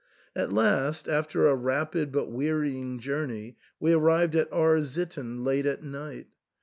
At last, after a rapid but wearying journey, we ar rived at R — sitten, late at night.